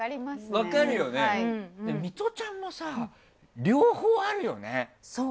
ミトちゃんも両方あるよね。